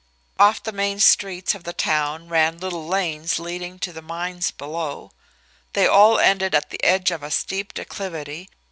Off the main street of the town ran little lanes leading to the mines below. They all ended at the edge of a steep declivity.